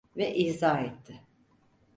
Ve izah etti: